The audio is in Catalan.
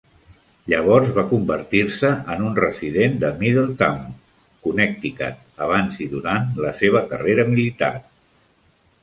Llavors va convertir-se en un resident de Middletown, Connecticut, abans i durant la seva carrera militar.